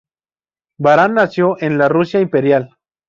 Baran nació en la Rusia Imperial.